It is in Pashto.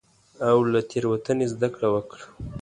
او له تېروتنې زدکړه وکړه.